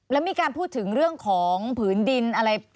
แล้วมีการพูดถึงเรื่องของผืนดินอะไร